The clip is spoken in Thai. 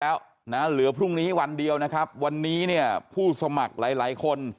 แล้วนะเหลือพรุ่งนี้วันเดียวนะครับวันนี้เนี่ยผู้สมัครหลายหลายคน